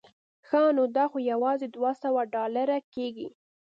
ښه نو دا خو یوازې دوه سوه ډالره کېږي.